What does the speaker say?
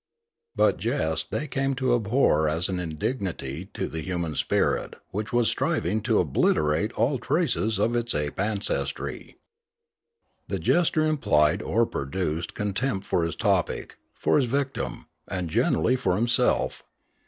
But jest they came to abhor as an indignity to the human spirit which was striving to obliterate all traces of its ape aucestry. The jester implied or produced contempt for his topic, for his victim, and generally for himself.